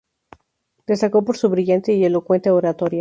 Destacó por su brillante y elocuente oratoria.